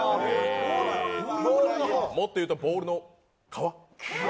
もっと言うとボールの皮。